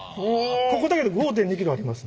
ここだけで５．２ｋｇありますんで。